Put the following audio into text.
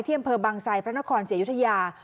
เที่ยงเพอร์บังไซพระนครเสียอยุทยา